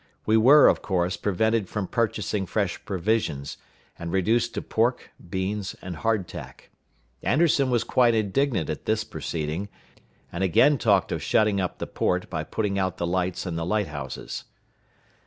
We were, of course, prevented from purchasing fresh provisions, and reduced to pork, beans, and hard tack. Anderson was quite indignant at this proceeding, and again talked of shutting up the port by putting out the lights in the light houses.